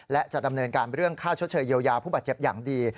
และจะดำเนินการเรื่องค่าชดเชยเยียวยาผู้บาดเจ็บอย่างดี